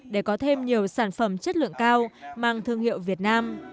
để có thêm nhiều sản phẩm chất lượng cao mang thương hiệu việt nam